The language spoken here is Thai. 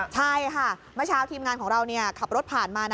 ใช่ค่ะเมื่อเช้าทีมงานของเราขับรถผ่านมา